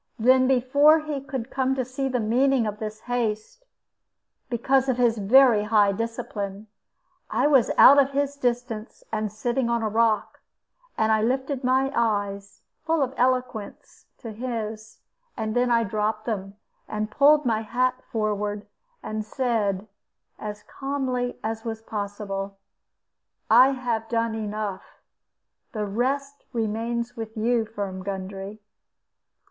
Then before he could come to see the meaning of this haste because of his very high discipline I was out of his distance, and sitting on a rock, and I lifted my eyes, full of eloquence, to his; then I dropped them, and pulled my hat forward, and said, as calmly as was possible, "I have done enough. The rest remains with you, Firm Gundry."